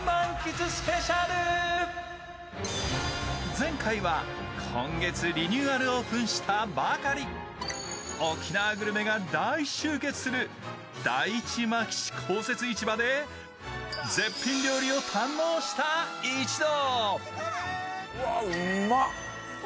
前回は今月リニューアルオープンしたばかり沖縄グルメが大集結する第一牧志公設市場で絶品料理を堪能した一同。